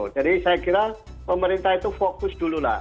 jadi saya kira pemerintah itu fokus dulu lah